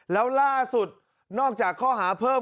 แล้วล่าสุดนอกจากข้อหาเพิ่ม